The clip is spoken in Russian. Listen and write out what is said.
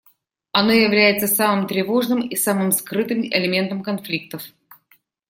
Оно является самым тревожным и самым скрытым элементом конфликтов.